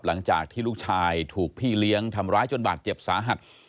หลังจากที่ลูกชายถูกพี่เลี้ยงทำร้ายจนบาดเจ็บสาหัส